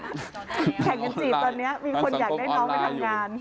แข่งกันจีบตอนนี้มีคนอยากได้น้องไปทำงาน